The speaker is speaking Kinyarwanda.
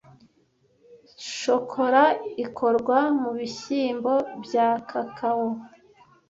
Shokora ikorwa mu bishyimbo bya kakao.